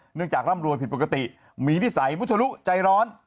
จากร่ำรวยผิดปกติมีนิสัยมุทรุใจร้อน